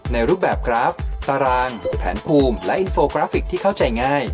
รูปแบบกราฟตารางแผนภูมิและอินโฟกราฟิกที่เข้าใจง่าย